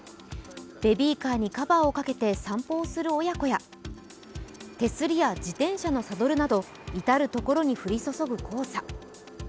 ベビーカーにカバーをかけて散歩をする親子や、手すりや自転車のサドルなど至る所に降り注ぐ黄砂。